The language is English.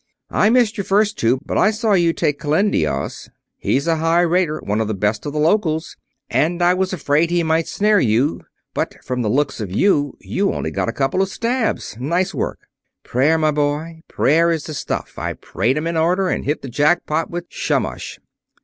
"I missed your first two, but I saw you take Kalendios. He's a high rater one of the best of the locals and I was afraid he might snare you, but from the looks of you, you got only a couple of stabs. Nice work." "Prayer, my boy. Prayer is the stuff. I prayed to 'em in order, and hit the jackpot with Shamash.